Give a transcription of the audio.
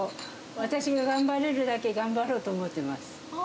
私が頑張れるだけ頑張ろうと思ってます。